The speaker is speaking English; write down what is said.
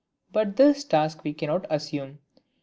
But this task we cannot assume.